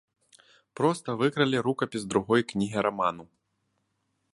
Проста выкралі рукапіс другой кнігі раману.